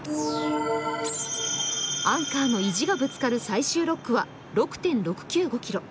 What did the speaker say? アンカーの意地がぶつかる最終６区は６．６９５ｋｍ。